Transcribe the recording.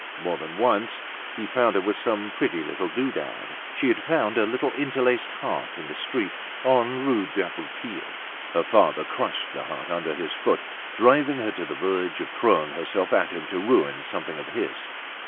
More than once he found her with some pretty little doodad. She had found a little interlaced heart in the street on Rue d'Aboukir. Her father crushed the heart under his foot, driving her to the verge of throwing herself at him to ruin something of his.